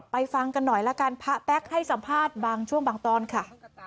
ฟังกันหน่อยละกันพระแป๊กให้สัมภาษณ์บางช่วงบางตอนค่ะ